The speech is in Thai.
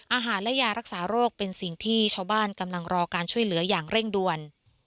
อาหารและยารักษาโรคเป็นสิ่งที่ชาวบ้านกำลังรอการช่วยเหลืออย่างเร่งด่วน